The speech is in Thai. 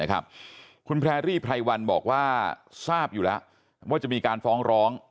คุณแพรรี่ไพรวันบอกว่าทราบอยู่แล้วว่าจะมีการฟ้องร้อง